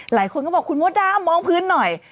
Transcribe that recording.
หลายคนก็บอกคุณมดดำมองพื้นหน่อย